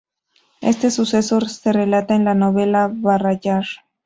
Este suceso se relata en la novela "Barrayar".